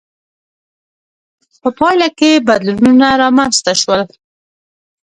په پایله کې بدلونونه رامنځته شول.